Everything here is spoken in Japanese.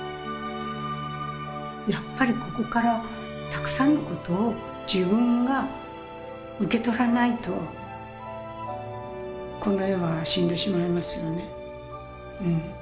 やっぱりここからたくさんのことを自分が受け取らないとこの絵は死んでしまいますよねうん。